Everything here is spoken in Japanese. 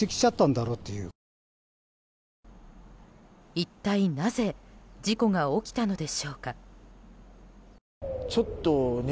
一体なぜ事故が起きたのでしょうか。